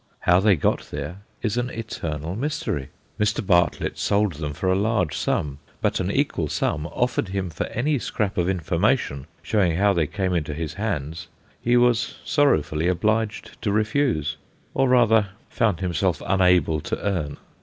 How they got there is an eternal mystery. Mr. Bartlett sold them for a large sum; but an equal sum offered him for any scrap of information showing how they came into his hands he was sorrowfully obliged to refuse or, rather, found himself unable to earn.